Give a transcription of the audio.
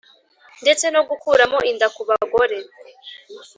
ndetse no gukuramo inda ku bagore